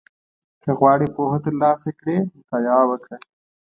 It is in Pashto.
• که غواړې پوهه ترلاسه کړې، مطالعه وکړه.